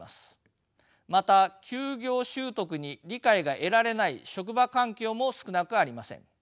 また休業取得に理解が得られない職場環境も少なくありません。